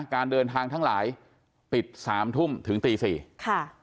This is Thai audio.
การเดินทางทั้งหลายปิดสามทุ่มถึงตีสี่ค่ะ